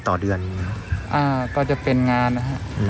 ต่อเดือนอ่าก็จะเป็นงานนะฮะอืม